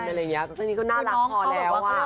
เรื่องนี้ก็น่ารักพอแล้ว